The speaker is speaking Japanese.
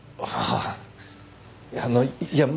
ああ。